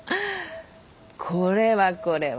これはこれは。